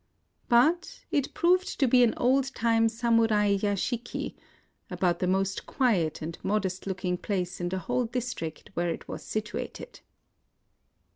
But it proved to be an old time Samurai yashiki, — about the most quiet and modest looking place in the whole district where it was situated.